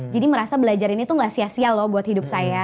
jadi merasa belajar ini tuh gak sia sia loh buat hidup saya